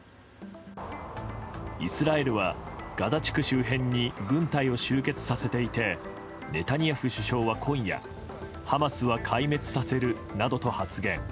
イスラエルはガザ地区周辺に軍隊を集結させていてネタニヤフ首相は今夜ハマスは壊滅させるなどと発言。